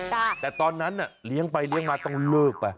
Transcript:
แต่ตอนนั้นน่ะเลี้ยงไปเลี้ยงมาต้องเลิกไป